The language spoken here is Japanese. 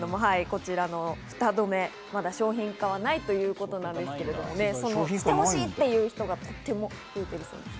フタ止め、商品化はまだないということなんですけれども、してほしいという人がとっても多いんです。